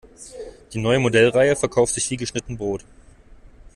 Die neue Modellreihe verkauft sich wie geschnitten Brot.